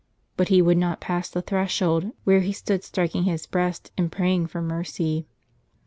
But he would not pass the threshold, where he stood striking his breast and praying for mercy.